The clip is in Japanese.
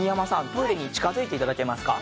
トイレに近づいて頂けますか？